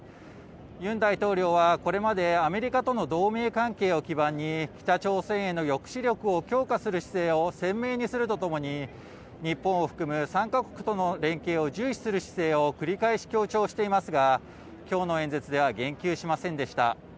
ユン大統領はこれまでアメリカとの同盟関係を基盤に北朝鮮への抑止力を強化する姿勢を鮮明にするとともに日本を含む３か国との連携を重視する姿勢を繰り返し強調していますが、きょうの演説では言及しませんでした。